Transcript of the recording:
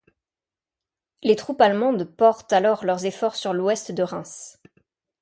Les troupes allemandes portent alors leurs efforts sur l'ouest de Reims.